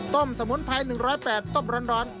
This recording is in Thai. สมุนไพร๑๐๘ต้มร้อน